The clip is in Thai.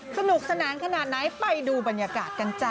สนุกสนานขนาดไหนไปดูบรรยากาศกันจ้ะ